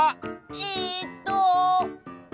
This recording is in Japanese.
えっと。